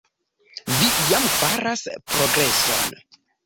Vi jam faras progreson.